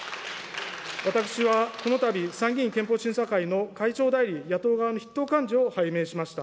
私はこのたび、参議院憲法審査会の会長代理、野党側の筆頭幹事を拝命しました。